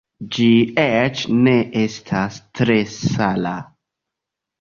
Ĝi eĉ ne estas tre sala.